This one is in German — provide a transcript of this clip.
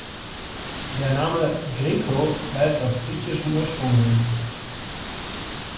Der Name "Greco" weist auf griechischen Ursprung hin.